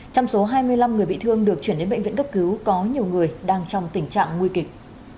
trong số hai mươi năm người bị thương được chuyển đến bệnh viện cấp cứu có nhiều người đang trong tình trạng nguy kịch